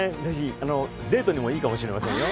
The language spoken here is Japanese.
デートにもいいかもしれませんよ。